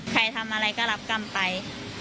ใครทำอะไรก็รับกรรมไป